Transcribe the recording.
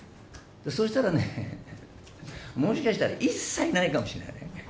そうしたらね、もしかしたら、一切ないかもしれない。